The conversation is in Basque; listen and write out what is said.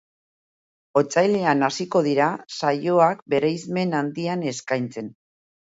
Otsailean hasiko dira saioak bereizmen handian eskaintzen.